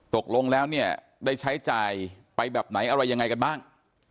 ตกลงแล้วเนี่ยได้ใช้จ่ายไปแบบไหนอะไรยังไงกันบ้าง